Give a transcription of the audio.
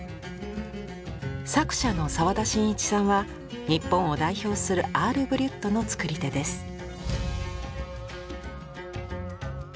作者の澤田真一さんは日本を代表するアール・ブリュットの作り手です。